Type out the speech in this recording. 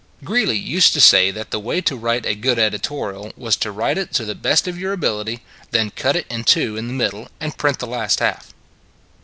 Greeley used to say that the way to write a good editorial was to write it to the best of your ability, then cut it in two in the middle and print the last half.